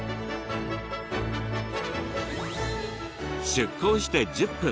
出航して１０分。